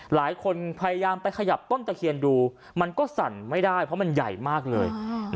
พยายามไปขยับต้นตะเคียนดูมันก็สั่นไม่ได้เพราะมันใหญ่มากเลย